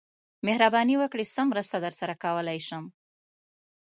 مهرباني وکړئ څه مرسته درسره کولای شم